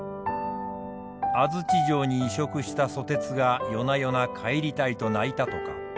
安土城に移植した蘇鉄が夜な夜な「帰りたい」と泣いたとか。